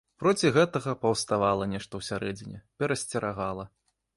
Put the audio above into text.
Проці гэтага паўставала нешта ўсярэдзіне, перасцерагала.